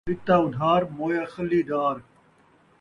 ݙتا اُدھار ، مویا خلی دار